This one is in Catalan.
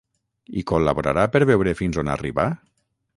¿Hi col·laborarà per veure fins on arriba?